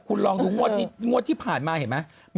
คุณลองดูงวดนี้งวดที่ผ่านมาเห็นไหม